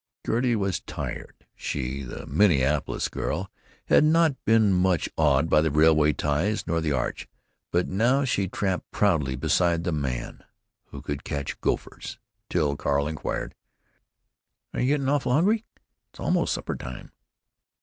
Gertie was tired. She, the Minneapolis girl, had not been much awed by the railroad ties nor the Arch, but now she tramped proudly beside the man who could catch gophers, till Carl inquired: "Are you gettin' awful hungry? It's a'most supper time."